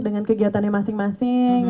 dengan kegiatannya masing masing